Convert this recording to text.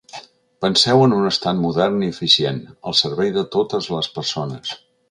Penseu en un estat modern i eficient, al servei de totes les persones.